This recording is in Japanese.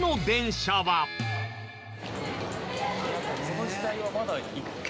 この時代はまだ。